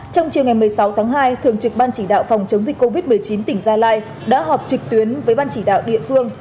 trong chiều ngày một mươi sáu tháng hai thường trực ban chỉ đạo phòng chống dịch covid một mươi chín tỉnh gia lai đã họp trực tuyến với ban chỉ đạo địa phương